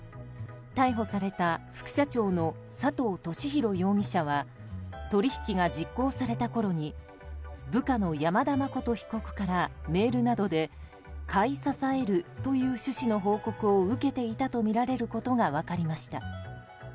逮捕された副社長の佐藤俊弘容疑者は取引が実行されたころに部下の山田誠被告からメールなどで買い支えるという趣旨の報告を受けていたとみられることが分かりました。